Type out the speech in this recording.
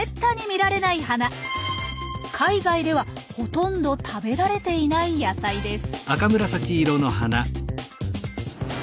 海外ではほとんど食べられていない野菜です。